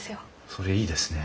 それいいですね。